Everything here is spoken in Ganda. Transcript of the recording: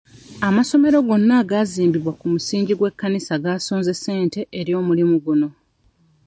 Amasomero gonna agaazimbibwa ku musingi gw'ekkanisa gaasonze ssente eri omulimu guno.